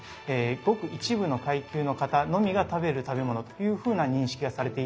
ごく一部の階級の方のみが食べる食べ物というふうな認識がされていたと。